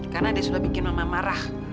karena dia sudah bikin mama marah